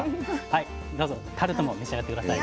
はいどうぞタルトも召し上がって下さい。